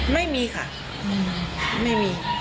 ไม่มีค่ะไม่มี